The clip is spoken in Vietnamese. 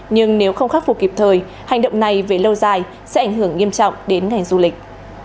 nhưng nếu không khắc phục kịp thời hành động này về lâu dài sẽ ảnh hưởng nghiêm trọng đến ngành du lịch